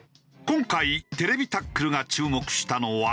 今回『ＴＶタックル』が注目したのは。